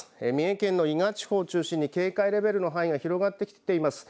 三重県の伊賀地方を中心に警戒レベルの範囲が広がってきています。